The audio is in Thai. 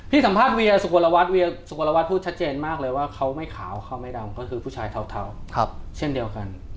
สัมภาษณ์เวียสุโกลวัฒน์เวียสุโกรวัตรพูดชัดเจนมากเลยว่าเขาไม่ขาวเขาไม่ดำก็คือผู้ชายเทาเช่นเดียวกัน